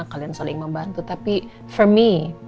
kalian saling membantu tapi untuk aku